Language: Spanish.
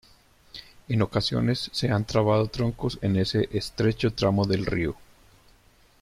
En ocasiones se han trabado troncos en este estrecho tramo del río.